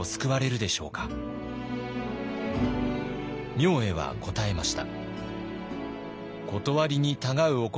明恵は答えました。